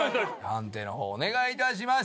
判定の方をお願いいたします！